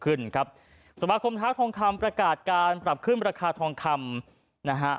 ขึ้นครับสมาคมค้าทองคำประกาศการปรับขึ้นราคาทองคำนะฮะ